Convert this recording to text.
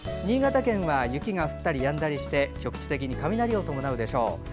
新潟県は雪が降ったりやんだりして局地的に雷を伴うでしょう。